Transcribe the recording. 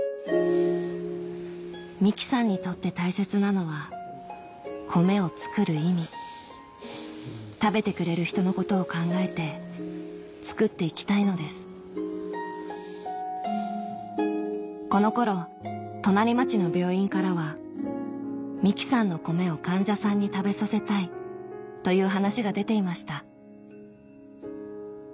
美樹さんにとって大切なのは米を作る意味食べてくれる人のことを考えて作って行きたいのですこの頃隣町の病院からは美樹さんの米を患者さんに食べさせたいという話が出ていました